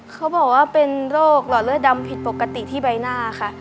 เขาบอกว่าเป็นโรคหลอดเลือดดำผิดปกติที่ใบหน้าค่ะ